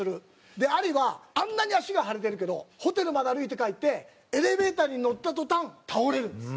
でアリはあんなに足が腫れてるけどホテルまで歩いて帰ってエレベーターに乗った途端倒れるんですよ。